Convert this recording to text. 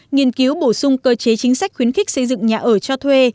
nghiên cứu bổ sung cơ chế chính sách khuyến khích xây dựng nhà ở cho thuê